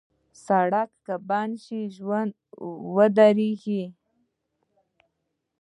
سړک که بند شي، ژوند ودریږي.